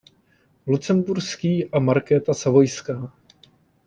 Lucemburský a Markéta Savojská.